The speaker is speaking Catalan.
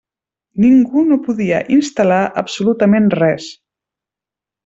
Ningú no podia instal·lar absolutament res.